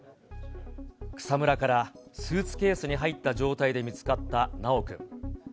草むらからスーツケースに入った状態で見つかった修くん。